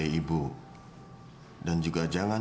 terima kasih pak